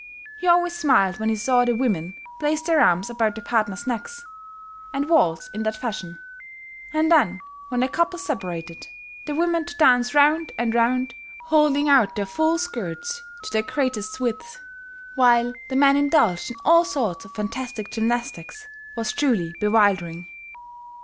He always smiled when he saw the women place their arms about their partners' necks and waltz in that fashion; and then, when the couples separated, the women to dance round and round, holding out their full skirts to their greatest width, while the men indulged in all sorts of fantastic gymnastics, was truly bewildering.